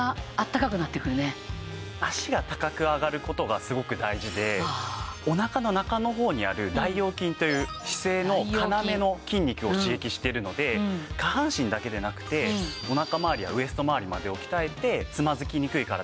脚が高く上がる事がすごく大事でお腹の中の方にある大腰筋という姿勢の要の筋肉を刺激しているので下半身だけでなくてお腹まわりやウエストまわりまでを鍛えてつまずきにくい体